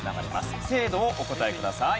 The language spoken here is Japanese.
制度をお答えください。